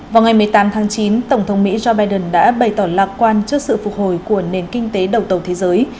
vào ngày một mươi tám tháng chín tổng thống mỹ joe biden đã bày tỏ lạc quan trước sự phục hồi của nền kinh tế đầu tàu thế giới